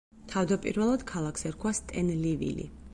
თავდაპირველად ქალაქს ერქვა სტენლივილი.